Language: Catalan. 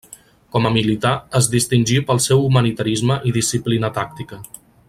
Com a militar, es distingí pel seu humanitarisme i disciplina tàctica.